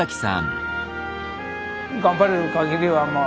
頑張れるかぎりはまあ